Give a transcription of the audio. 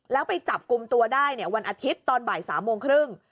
แล้วไปจับกลุ่มตัวได้วันอาทิตย์ตอนบ่าย๓โมงครึ่ง